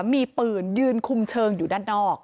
มีปืนยืนคุมเชิงอยู่ด้านนอก